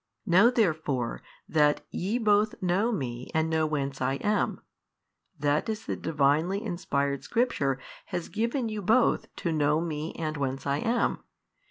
Know therefore, that ye both know Me and know whence I am, that is the Divinely inspired Scripture has given you both to know Me and whence I am.